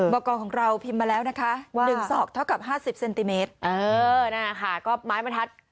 บกองของเราพิมพ์มาแล้วนะคะ๑ศอกเท่ากับ๕๐เซนติเมตร